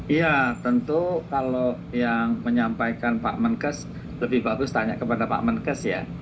iya tentu kalau yang menyampaikan pak menkes lebih bagus tanya kepada pak menkes ya